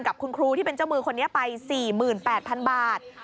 กับคุณครูที่เป็นเจ้ามือคนนี้ไป๔๘๐๐๐บาท